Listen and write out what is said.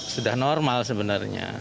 sudah normal sebenarnya